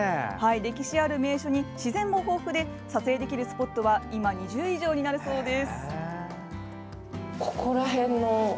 歴史ある名所に自然も豊富で撮影できるスポットは今、２０以上になるそうです。